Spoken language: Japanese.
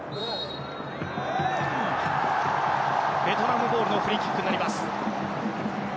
ベトナムボールのフリーキックになります。